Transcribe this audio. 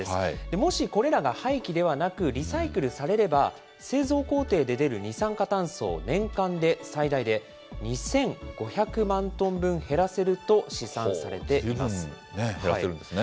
もしこれらが廃棄ではなく、リサイクルされれば、製造工程で出る二酸化炭素を年間で最大で２５００万トン分減らせずいぶん減らせるんですね。